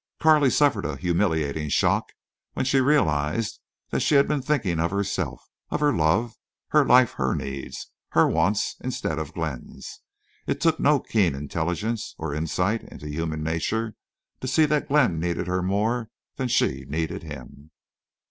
Carley suffered a humiliating shock when she realized that she had been thinking of herself, of her love, her life, her needs, her wants instead of Glenn's. It took no keen intelligence or insight into human nature to see that Glenn needed her more than she needed him.